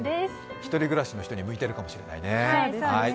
１人暮らしの人に向いてるかもしれないね。